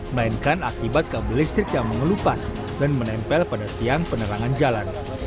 melainkan akibat kabel listrik yang mengelupas dan menempel pada tiang penerangan jalan